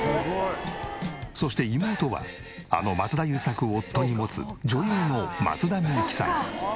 そして妹はあの松田優作を夫に持つ女優の松田美由紀さん。